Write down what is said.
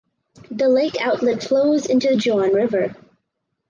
The lake outlet flows into the Jaune River.